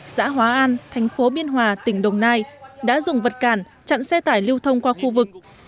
xã hóa an thành phố biên hòa tỉnh đồng nai đã dùng vật cản chặn xe tải lưu thông qua khu vực